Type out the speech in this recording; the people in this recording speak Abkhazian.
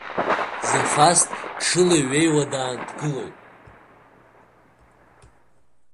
Зафас дшылеиҩеиуа дааҭгылоит.